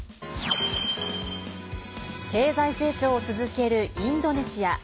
経済成長を続けるインドネシア。